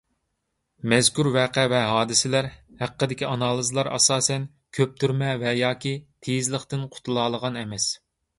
مەزكۇر ۋەقە ۋە ھادىسىلەر ھەققىدىكى ئانالىزلار ئاساسەن كۆپتۈرمە ۋە ياكى تېيىزلىقتىن قۇتۇلالىغان ئەمەس.